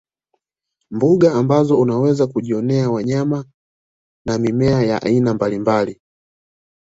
Mbuga ambazo unaweza kujionea wanyama na mimea ya aina mbalimbali